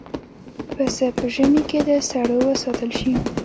پسه په ژمي کې له سړو وساتل شي.